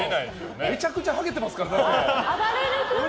めちゃくちゃはげてますから。